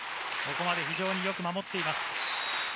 ここまで非常によく守っています。